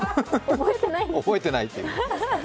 覚えてないという。